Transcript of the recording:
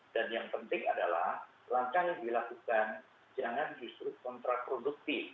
dan yang penting adalah langkah yang dilakukan jangan justru kontraproduktif